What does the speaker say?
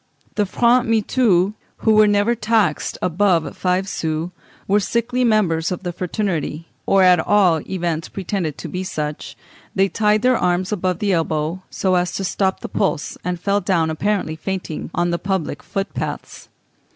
The francs mitoux, who were never taxed above five sous, were sickly members of the fraternity, or at all events pretended to be such; they tied their arms above the elbow so as to stop the pulse, and fell down apparently fainting on the public footpaths.